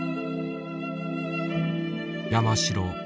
山城。